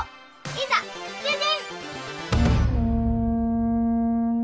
いざ出陣！